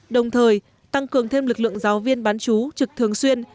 đồng thời tăng cường thêm lực lượng giáo viên bán chú trực thường xuyên